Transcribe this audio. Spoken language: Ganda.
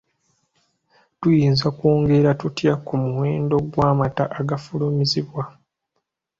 Tuyinza kwongera tutya ku muwendo gw'amata agafulumizibwa?